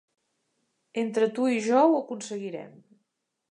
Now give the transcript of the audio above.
Entre tu i jo ho aconseguirem.